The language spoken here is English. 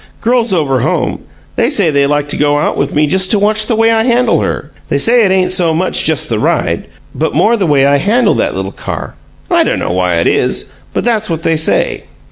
Girls over home, they say they like to go out with me just to watch the way I handle her; they say it ain't so much just the ride, but more the way I handle that little car. I dunno why it is, but that's what they say.